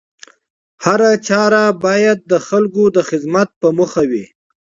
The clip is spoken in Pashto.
هره چاره بايد د خلکو د خدمت په موخه وي